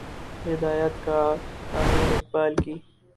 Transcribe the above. ہدایت کار امین اقبال کی